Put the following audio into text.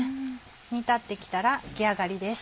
煮立ってきたら出来上がりです。